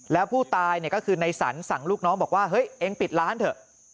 แล้วผู้ตายเนี่ยก็คือในสรรสั่งลูกน้องบอกว่าเฮ้ยเองปิดร้านเถอะ